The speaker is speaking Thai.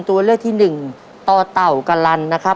ตัวเลือกที่หนึ่งตอต่อกรรณนะคะ